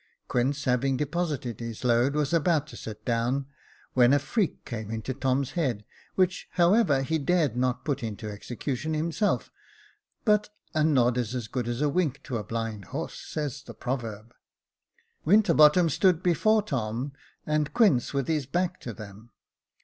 Quince having deposited his load, was about to sit down, when a freak came into Tom's head, which, however, he dared not put into execution himself; but "a nod is as good as a wink to a blind horse," says the proverb, Winterbottom stood before Tom, and Quince with his back to them.